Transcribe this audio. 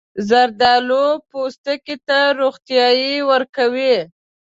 زردالو پوستکي ته روڼتیا ورکوي.